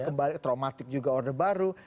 kembali traumatik juga order baru